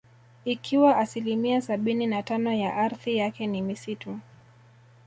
Ikiwa asilimia sabini na tano ya ardhi yake ni misitu